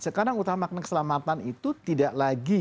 sekarang utamakan keselamatan itu tidak lagi